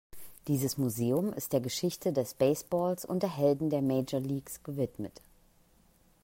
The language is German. Dieses Museum ist der Geschichte des Baseballs und der Helden der Major Leagues gewidmet.